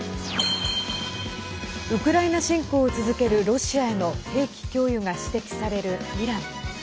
ウクライナ侵攻を続けるロシアへの兵器供与が指摘されるイラン。